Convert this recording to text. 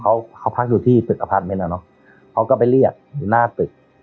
เขาเขาพักอยู่ที่ตึกอพาร์ทเมนต์อ่ะเนอะเขาก็ไปเรียกอยู่หน้าตึก